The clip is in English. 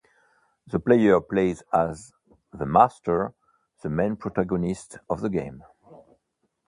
The player plays as "The Master," the main protagonist of the game.